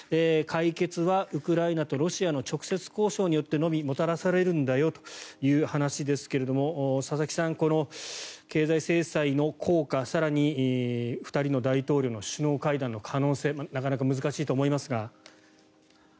解決はウクライナとロシアの直接交渉によってのみもたらされるんだよという話ですが佐々木さん、経済制裁の効果更に２人の大統領の首脳会談の可能性なかなか難しいと思いますが。